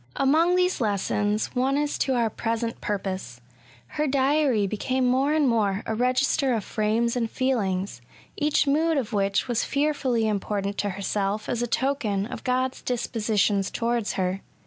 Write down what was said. Among these lessons, one is to our present purpose. Her diary became more and more a register of frames and feelings, each mood of which was fearfully important to herself as a token of God's dispositions towards her.